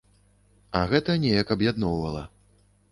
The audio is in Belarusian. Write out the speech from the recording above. А гэта неяк аб'ядноўвала.